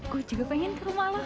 gue juga pengen ke rumah lo